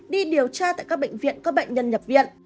đi điều tra tại các bệnh viện có bệnh nhân nhập viện